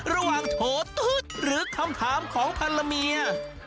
ระหว่างโถตุ๊ดหรือคำถามของพันละเมีย